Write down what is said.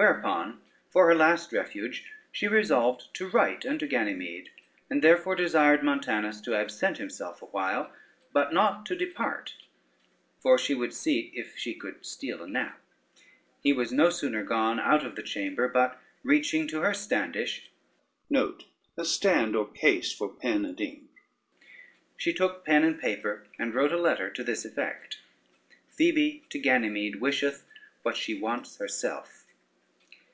Whereupon, for her last refuge, she resolved to write unto Ganymede, and therefore desired Montanus to absent himself a while, but not to depart, for she would see if she could steal a nap. He was no sooner gone out of the chamber, but reaching to her standish, she took pen and paper, and wrote a letter to this effect: [Footnote 1: a stand or case for pen and ink.] "Phoebe to Ganymede wisheth what she wants herself.